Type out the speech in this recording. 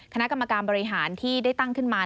คณะกรรมการบริหารที่ได้ตั้งขึ้นมา